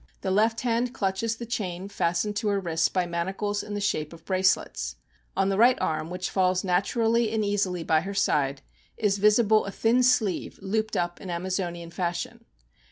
The left hand clutches the chain fastened to her wrists by manacles in the shape of bracelets. On the right arm, which falls naturally and easily by her side, is visible a thin sleeve looped up in Amazonian fashion.